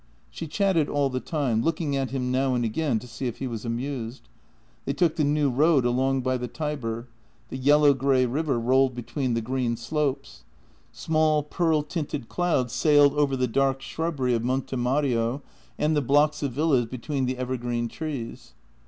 She chatted all the time, looking at him now and again to see if he was amused. They took the new road along by the Tiber; the yellow grey river rolled between the green slopes. Small, pearl tinted clouds sailed over the dark shrubbery of Monte Mario and the blocks of villas between the evergreen trees.